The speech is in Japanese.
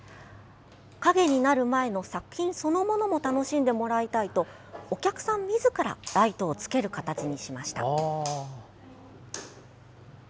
影になる前の作品そのものも楽しんでもらいたいとお客さんみずからライトをつける形にしました。